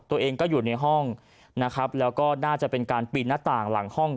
ตัวเองก็อยู่ในห้องนะครับแล้วก็น่าจะเป็นการปีนหน้าต่างหลังห้อง